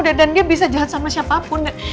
dan dia bisa jahat sama siapapun